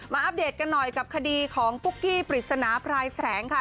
อัปเดตกันหน่อยกับคดีของปุ๊กกี้ปริศนาพรายแสงค่ะ